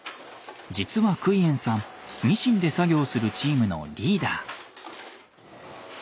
実はクイエンさんミシンで作業するチームのリーダー。